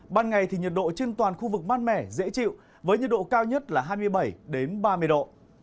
ban ngày thì nhiệt độ trên toàn khu vực mát mẻ dễ chịu với nhiệt độ cao nhất là hai mươi bảy ba mươi độ